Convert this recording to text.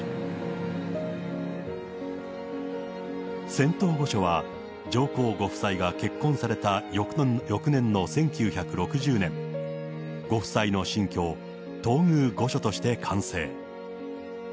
仙洞御所は、上皇ご夫妻が結婚された翌年の１９６０年、ご夫妻の新居、東宮御所として完成。